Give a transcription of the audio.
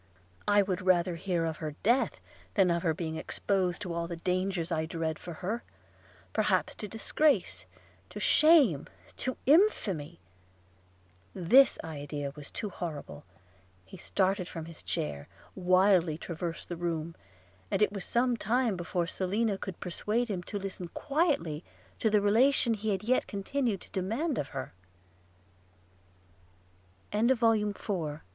I would rather hear of her death, than of her being exposed to all the dangers I dread for her, perhaps to disgrace, to shame, to infamy ....' This idea was too horrible; he started from his chair, wildly traversed the room; and it was some time before Selina could persuade him to listen quietly to the relation he yet continued to demand of her.